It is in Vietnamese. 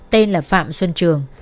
tên là phạm xuân trường